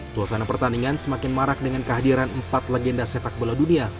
suasana pertandingan semakin marak dengan kehadiran empat legenda sepak bola dunia